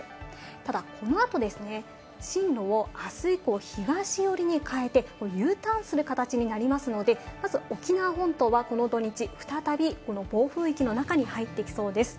ただ、この後ですね、進路をあす以降、東寄りに変えてＵターンする形になりますので、まず沖縄本島はこの土日、再びこの暴風域の中に入ってきそうです。